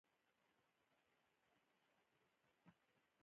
ما هغه ته وویل چې زه یو سیکه یم.